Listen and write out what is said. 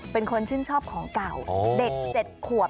เป็นคนชื่นชอบของเก่าเด็ก๗ขวบ